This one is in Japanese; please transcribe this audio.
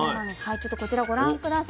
ちょっとこちらご覧下さい。